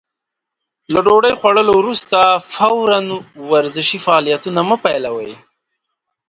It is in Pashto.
له ډوډۍ خوړلو وروسته فورً ورزشي فعالیتونه مه پيلوئ.